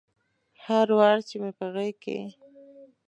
هر وار چې مې په غیږ کې